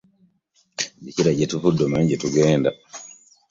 Jjukira gye tuvudde omanye gye tugenda.